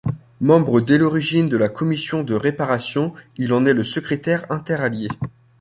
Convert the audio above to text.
Membre dès l'origine de la Commission de Réparations, il en est le secrétaire interallié.